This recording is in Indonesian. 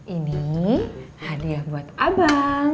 ini hadiah buat abang